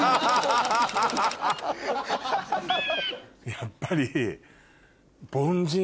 やっぱり。